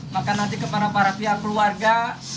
maka nanti kepada para pihak keluarga